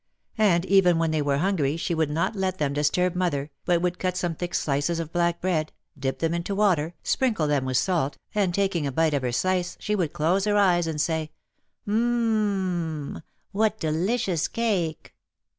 And even when they were hungry she would not let them disturb mother, but would cut some thick slices of black bread, dip them into water, sprinkle them with salt, and taking a bite of her slice, she would close her eyes and say, "M m m — what delicious cake!"